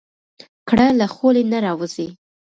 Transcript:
ګړه له خولې نه راوځي.